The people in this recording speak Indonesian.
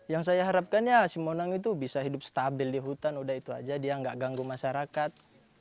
yang saya harapkan ya si monang itu bisa hidup stabil di hutan udah itu aja dia nggak ganggu masyarakat